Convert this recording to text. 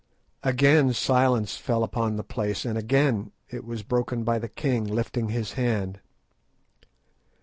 Again silence fell upon the place, and again it was broken by the king lifting his hand.